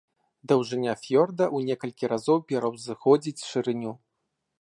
Даўжыня фіёрда ў некалькі разоў пераўзыходзіць шырыню.